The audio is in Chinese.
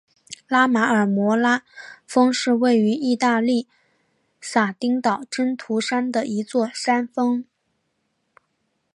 拉马尔摩拉峰是位于义大利撒丁岛真图山的一座山峰。